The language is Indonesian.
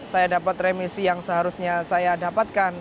saya dapat remisi yang seharusnya saya dapatkan